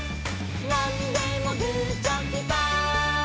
「なんでもグーチョキパー」